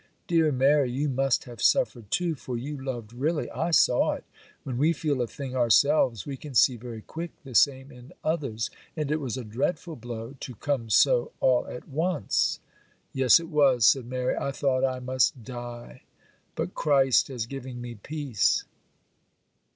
Dear Mary, you must have suffered too—for you loved really—I saw it,—when we feel a thing ourselves we can see very quick the same in others,—and it was a dreadful blow to come so all at once.' 'Yes it was,' said Mary; 'I thought I must die; but Christ has given me peace.